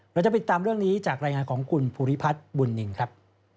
เราจะติดตามเรื่องนี้จากรายงานของคุณภูริพัฒน์บุญนินครับ